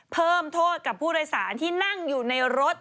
เพิ่มโทษกับผู้โดยสารที่นั่งอยู่ในรถ